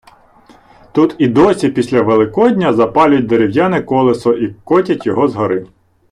Тут і досі після Великодня запалюють дерев’яне колесо і котять його з гори.